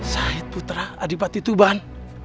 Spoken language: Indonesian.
syahid putra adipati tuban